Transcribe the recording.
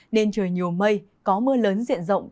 nên trời nhiều mây có mưa lớn diện rộng